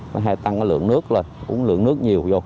phải tăng lượng nước lên uống lượng nước nhiều vô